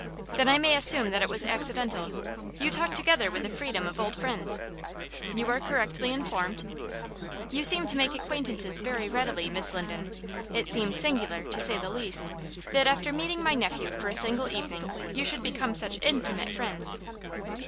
"Then I may assume that it was accidental. You talked together with the freedom of old friends?" "You are correctly informed." "You seem to make acquaintances very readily, Miss Linden. It seems singular, to say the least, that after meeting my nephew for a single evening, you should become such intimate friends."